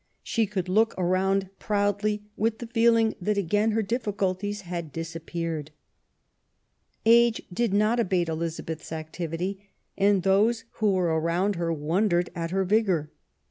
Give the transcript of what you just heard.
She could look around proudly with the feeling that again her difficulties had disappeared. Age did not abate Elizabeth's activity, and those who were around her wondered at her vigour.